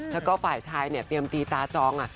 แล้วก็ฝ่ายชายเนี่ยเตรียมตีตาจอง